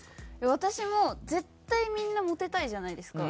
私も絶対みんなモテたいじゃないですか。